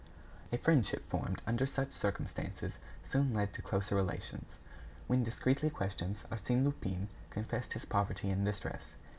A friendship formed under such circumstances soon led to closer relations. When discreetly questioned, Arsène Lupin confessed his poverty and distress.